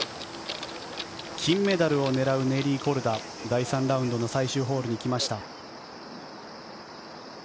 金メダルを狙うネリー・コルダ第３ラウンドの最終ホールに来ました。